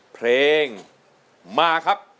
เพลงมาครับ